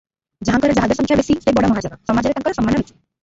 ଯାହାଙ୍କର ଜାହାଜ ସଂଖ୍ୟା ବେଶି, ସେ ବଡ଼ ମହାଜନ, ସମାଜରେ ତାଙ୍କର ସମ୍ମାନ ବେଶି ।